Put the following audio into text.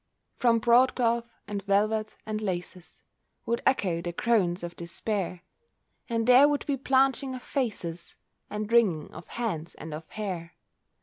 From broadcloth, and velvet, and laces, Would echo the groans of despair, And there would be blanching of faces And wringing of hands and of hair.